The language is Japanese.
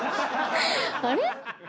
あれ？